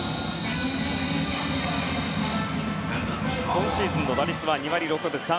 今シーズンの打率は２割６分３厘。